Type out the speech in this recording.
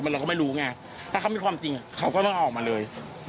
เราก็ไม่รู้ไงถ้าเขามีความจริงเขาก็ต้องเอาออกมาเลย